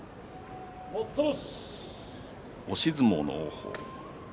押し相撲の王鵬。